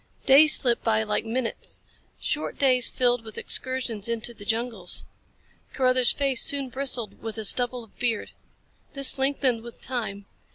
Days slipped by like minutes. Short days filled with excursions into the jungles. Carruthers' face soon bristled with a stubble of beard. This lengthened with time.